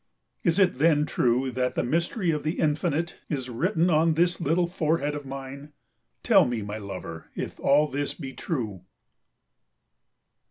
Is it then true that the mystery of the Infinite is written on this little forehead of mine? Tell me, my lover, if all this be true.